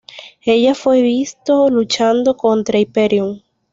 Ella fue visto luchando contra Hyperion.